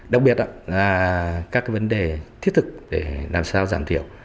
đặc biệt là các vấn đề thiết thực để làm sao giảm thiểu